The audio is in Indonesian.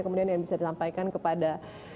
kemudian yang bisa disampaikan kepada